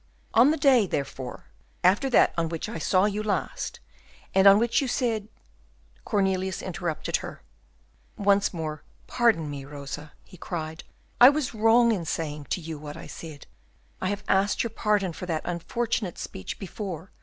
On the day, therefore, after that on which I saw you last, and on which you said " Cornelius interrupted her. "Once more, pardon me, Rosa!" he cried. "I was wrong in saying to you what I said. I have asked your pardon for that unfortunate speech before.